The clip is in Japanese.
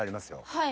はい。